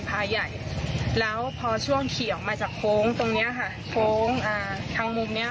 มันอย่างเนี้ยค่ะก็เลยก็เลยแบบแล้วมันอยู่ไหน